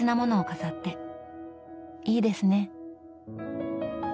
いいですね。